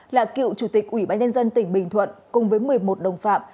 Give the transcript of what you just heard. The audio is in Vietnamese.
là cựu chủ tịch ủy ban nhân dân tỉnh bình thuận cùng với một mươi một đồng phạm